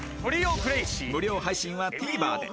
無料配信は ＴＶｅｒ で